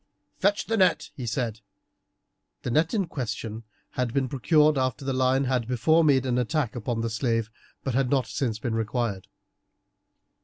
"Fetch the net," he said. The net in question had been procured after the lion had before made an attack upon the slave, but had not since been required.